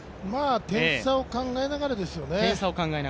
点差を考えながらですよね。